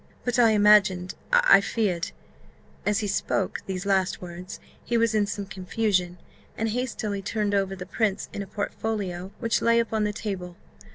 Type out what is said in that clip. But I imagined I feared " As he spoke these last words he was in some confusion, and hastily turned over the prints in a portfolio which lay upon the table.